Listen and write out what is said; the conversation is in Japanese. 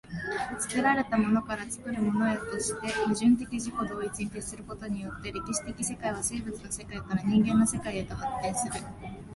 作られたものから作るものへとして、矛盾的自己同一に徹することによって、歴史的世界は生物の世界から人間の世界へと発展する。